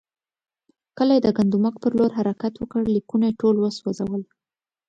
کله یې د ګندمک پر لور حرکت وکړ، لیکونه یې ټول وسوځول.